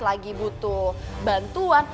lagi butuh bantuan